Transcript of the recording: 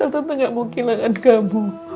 tante gak mau kehilangan kamu